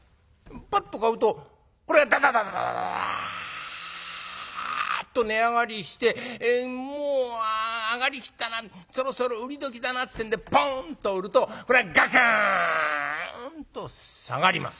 パッと買うとこれがダダダダダッと値上がりしてもう上がりきったなそろそろ売り時だなってんでポンと売るとガクンと下がります。